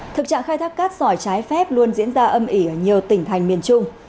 thực trạng khai thác cát sỏi trái phép luôn diễn ra âm ỉ ở nhiều tỉnh thành miền trung